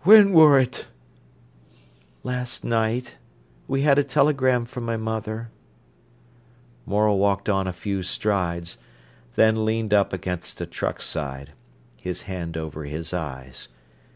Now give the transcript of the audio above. "When wor't?" "Last night. We had a telegram from my mother." Morel walked on a few strides, then leaned up against a truck side, his hand over his eyes.